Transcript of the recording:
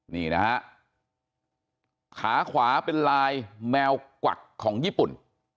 นี่นะฮะขาขวาเป็นลายแมวกวักของญี่ปุ่น